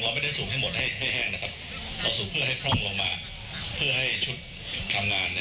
เราไม่ได้สูบให้หมดให้ให้แห้งนะครับเราสูบเพื่อให้พร่องลงมา